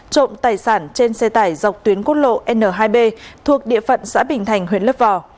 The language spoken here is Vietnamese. trộm tài sản trên xe tải dọc tuyến quốc lộ n hai b thuộc địa phận xã bình thành huyện lấp vò